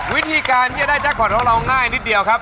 วิธีการที่จะได้แจ็คพอร์ตของเราง่ายนิดเดียวครับ